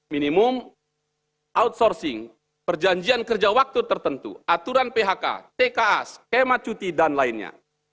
minimum outsourcing perjanjian kerja waktu tertentu aturan phk tka skema cuti dan lainnya